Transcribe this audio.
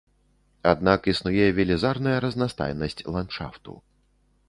Аднак існуе велізарная разнастайнасць ландшафту.